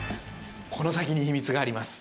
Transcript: この先に秘密があります